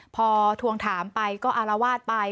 พอทวงถามไปก็อารวาสไป